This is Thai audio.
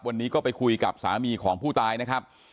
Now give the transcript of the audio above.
วันนี้ก็ไปคุยกับสามีของผู้ตายนะครับ